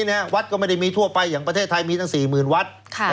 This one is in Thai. ตั้งไปถ้าวัฒน์ก็ไม่ได้มีทั่วไปอย่างประเทศไทยมีก็๔๐๐๐๐วัฒน์